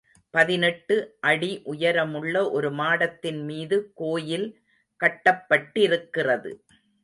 பதினெட்டு அடி உயரமுள்ள ஒரு மாடத்தின் மீது கோயில் கட்டப்பட்டிருக்கிறது.